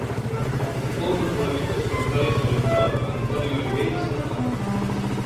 Participou nos movementos contrarios ao ditador Antonio de Oliveira Salazar.